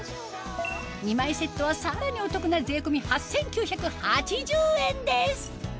２枚セットはさらにお得な税込み８９８０円です